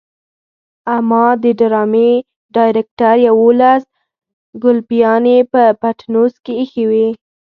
اما د ډرامې ډايرکټر يوولس ګلپيانې په پټنوس کې ايښې وي.